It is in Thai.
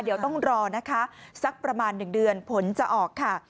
เดี๋ยวต้องรอนะคะสักประมาณ๑เดือนผลจะออกค่ะ